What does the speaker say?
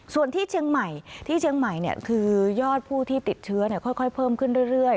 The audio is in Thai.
ส่วนที่เชียงใหม่ที่เชียงใหม่เนี่ยคือยอดผู้ที่ติดเชื้อเนี่ยค่อยค่อยเพิ่มขึ้นเรื่อยเรื่อย